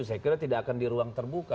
saya kira tidak akan di ruang terbuka